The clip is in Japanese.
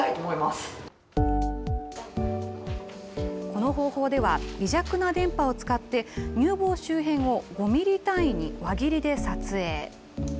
この方法では、微弱な電波を使って、乳房周辺を５ミリ単位に輪切りで撮影。